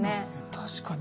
確かに。